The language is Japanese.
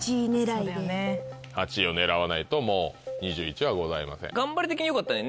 ８位を狙わないともう２１はございません。